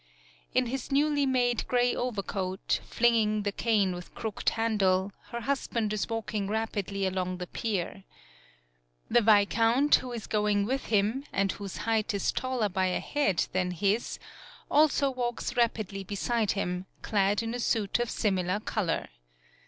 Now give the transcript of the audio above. In his newly made gray overcoat, flinging the cane with crooked handle, her husband is walking rapidly along 57 PAULOWNIA the pier. The viscount, who is going with him, and whose height is taller by a head than his, also walks rapidly be side him, clad in a suit of similar color.